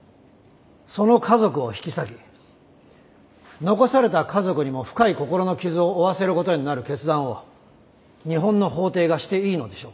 その家族を引き裂き残された家族にも深い心の傷を負わせることになる決断を日本の法廷がしていいのでしょうか？